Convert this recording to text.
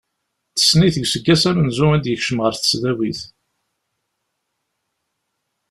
Tessen-it deg useggas amenzu i d-yekcem ɣer tesdawit.